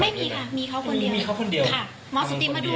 ไม่มีค่ะมีเขาคนเดียว